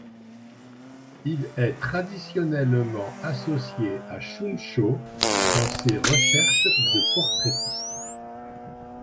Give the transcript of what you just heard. Il est traditionnellement associé à Shunshō dans ses recherches de portraitiste.